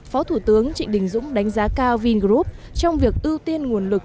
phó thủ tướng trịnh đình dũng đánh giá cao vingroup trong việc ưu tiên nguồn lực